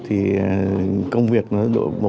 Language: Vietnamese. thì công việc nó